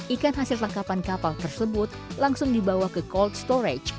ikan hasil tangkapan kapal tersebut langsung dibawa ke cold storage